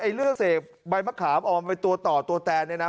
เรื่องเศษใบมะขามออกมาเป็นตัวต่อตัวแตนเนี่ยนะ